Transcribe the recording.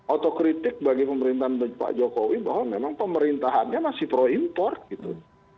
otokritik bagi pemerintahan pak jokowi bahwa memang pemerintahannya masih pro import gitu